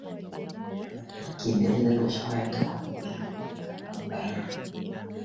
Bashkortostan Tatarstan Sakha Yakutia ikawa sehemu ya Shirikisho